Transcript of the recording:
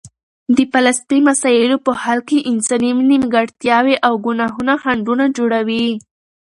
د فلسفي مسایلو په حل کې انساني نیمګړتیاوې او ګناهونه خنډونه جوړوي.